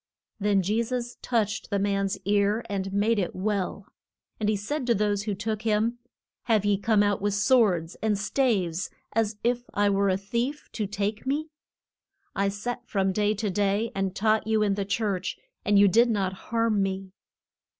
Then Je sus touched the man's ear and made it well. And he said to those who took him, Have ye come out with swords and staves as if I were a thief, to take me? I sat from day to day and taught you in the church, and you did not harm me.